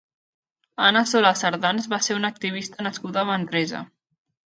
Anna Solà Sardans va ser una activista nascuda a Manresa.